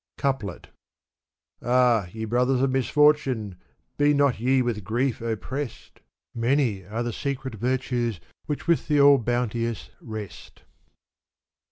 Couplet Ah/ ye brothers of misfortune/ be not ye with grief oppressed^ Many are ^ secret mercies which with the All bounteous rest.